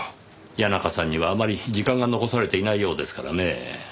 谷中さんにはあまり時間が残されていないようですからねぇ。